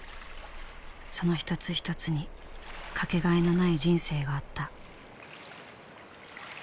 その一つ一つに掛けがえのない人生があった。